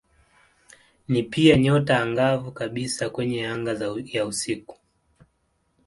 Ni pia nyota angavu kabisa kwenye anga ya usiku.